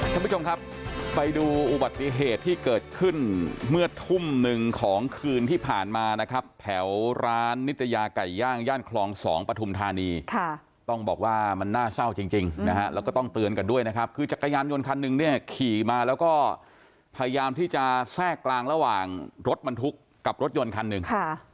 ท่านผู้ชมครับไปดูอุบัติเหตุที่เกิดขึ้นเมื่อทุ่มหนึ่งของคืนที่ผ่านมานะครับแถวร้านนิตยาไก่ย่างย่านคลองสองปฐุมธานีค่ะต้องบอกว่ามันน่าเศร้าจริงจริงนะฮะแล้วก็ต้องเตือนกันด้วยนะครับคือจักรยานยนต์คันหนึ่งเนี่ยขี่มาแล้วก็พยายามที่จะแทรกกลางระหว่างรถบรรทุกกับรถยนต์คันหนึ่งค่ะ